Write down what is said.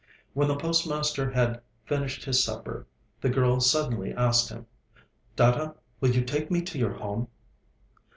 When the postmaster had finished his supper, the girl suddenly asked him: 'Dada, will you take me to your home?'